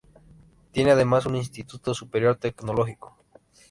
Tiene además un Instituto Superior Tecnológico.